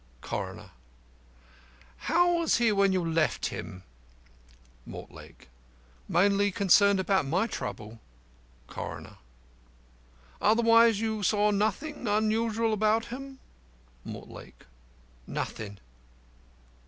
CORONER: How was he when you left him? MORTLAKE: Mainly concerned about my trouble. CORONER: Otherwise you saw nothing unusual about him? MORTLAKE: Nothing.